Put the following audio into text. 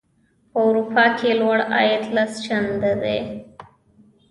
په اروپا کې لوړ عاید لس چنده دی.